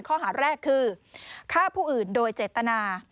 ข้อหาแรกคือฆ่าผู้อื่นโดยเจตนา